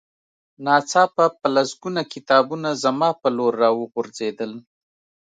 ناڅاپه په لسګونه کتابونه زما په لور را وغورځېدل